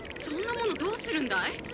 そんなものどうするんだい？